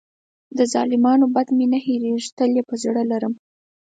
د ظالمانو بد مې نه هېرېږي، تل یې په زړه لرم.